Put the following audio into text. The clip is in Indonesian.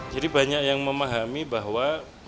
jadi banyak yang memahami bahwa